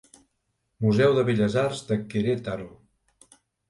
Museu de Belles arts de Querétaro.